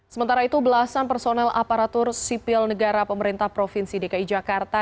sementara itu belasan personel aparatur sipil negara pemerintah provinsi dki jakarta